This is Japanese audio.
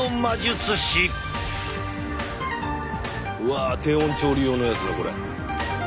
うわ低温調理用のやつだこれ。